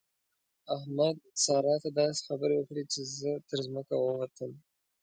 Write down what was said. احمد؛ سارا ته داسې خبرې وکړې چې زه تر ځمکه ووتم.